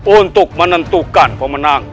untuk menentukan pemenangnya